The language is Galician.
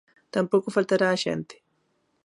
Tampouco faltará a xente.